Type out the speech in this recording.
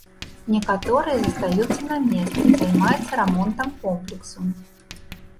Некаторыя застаюцца на месцы, займаецца рамонтам комплексу.